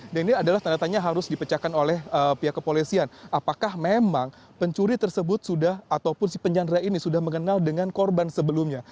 dan ini adalah tanda tanya harus dipecahkan oleh pihak kepolisian apakah memang pencuri tersebut sudah ataupun si penyandera ini sudah mengenal dengan korban sebelumnya